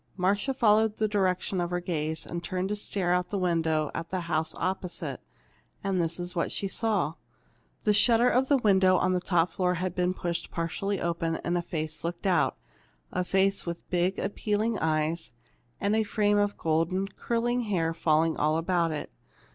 Marcia followed the direction of her gaze, and turned to stare out of the window at the house opposite. And this is what she saw: The shutter of a window on the top floor had been pushed partly open, and a face looked out, a face with big, appealing eyes, and a frame of golden, curling hair falling all about it.